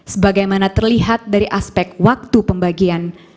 sebagaimana terlihat dari aspek waktu pembagian